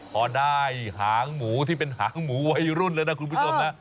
พอได้หางหมูที่เป็นหางหมูวัยรุ่นแล้วนะคุณผู้ชมนะ